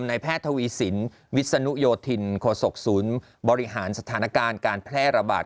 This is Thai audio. แพทย์ทวีสินวิศนุโยธินโคศกศูนย์บริหารสถานการณ์การแพร่ระบาด